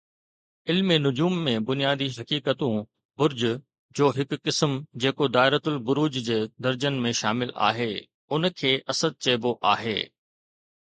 علم نجوم ۾ بنيادي حقيقتون، برج جو هڪ قسم جيڪو دائرة البروج جي درجن ۾ شامل آهي، ان کي اسد چئبو آهي.